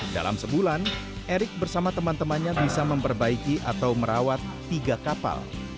dalam sebulan erick bersama teman temannya bisa memperbaiki atau merawat tiga kapal